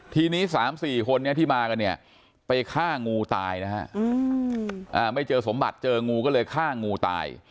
ทีนี้๓๔คนที่มากันเนี่ยไปฆ่างูตายนะฮะไม่เจอสมบัติเจองูก็เลยฆ่างูตาย